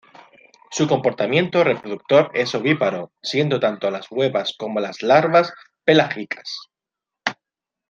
Su comportamiento reproductor es ovíparo, siendo tanto las huevas como las larvas pelágicas.